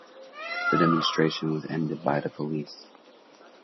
The demonstration was ended by the police.